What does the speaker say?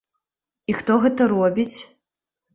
І хто гэта робіць?